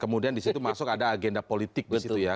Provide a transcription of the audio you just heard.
kemudian disitu masuk ada agenda politik disitu ya